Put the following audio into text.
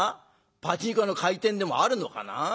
パチンコ屋の開店でもあるのかな？